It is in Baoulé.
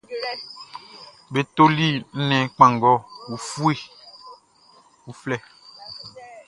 Be toli nnɛn kpanngɔ ufue uflɛ.